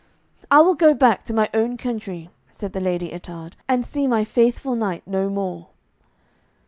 'I will go back to my own country,' said the Lady Ettarde, 'and see my faithful knight no more.'